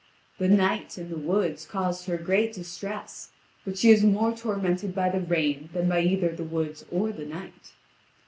The night and the woods cause her great distress, but she is more tormented by the rain than by either the woods or the night.